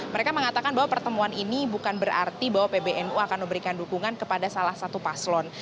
mereka mengatakan bahwa pertemuan ini bukan berarti bahwa pbnu akan memberikan dukungan kepada salah satu paslon